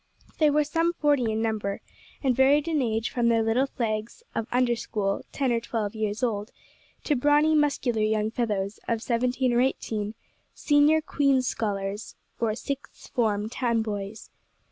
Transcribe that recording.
They were some forty in number, and varied in age from the little fags of the Under School, ten or twelve years old, to brawny muscular young fellows of seventeen or eighteen, senior Queen's Scholars, or Sixth Form town boys.